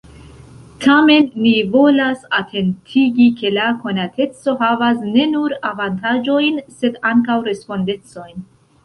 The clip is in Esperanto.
Tamen ni volas atentigi, ke la konateco havas ne nur avantaĝojn, sed ankaŭ respondecojn.